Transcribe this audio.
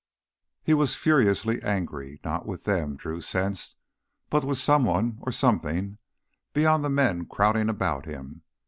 He was furiously angry not with them, Drew sensed but with someone or something beyond the men crowding about him.